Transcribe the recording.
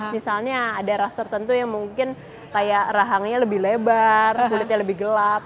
misalnya ada ras tertentu yang mungkin kayak rahangnya lebih lebar kulitnya lebih gelap